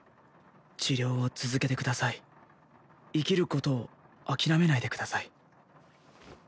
治療を続けてください生きることを諦めないでください